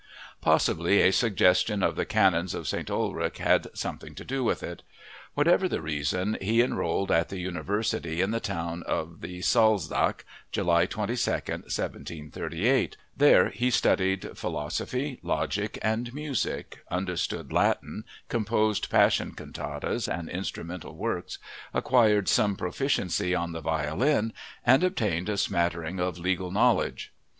Possibly a suggestion of the canons of St. Ulrich had something to do with it. Whatever the reason, he enrolled at the University in the town on the Salzach, July 22, 1738. There he studied philosophy, logic, and music, understood Latin, composed Passion cantatas and instrumental works, acquired some proficiency on the violin, and obtained a smattering of legal knowledge.